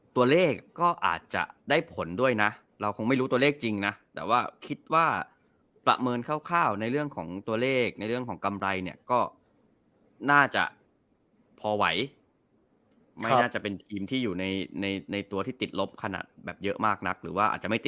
ตัวเลขก็อาจจะได้ผลด้วยนะเราคงไม่รู้ตัวเลขจริงนะแต่ว่าคิดว่าประเมินคร่าว